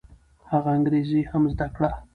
هغه انګریزي هم زده کړه.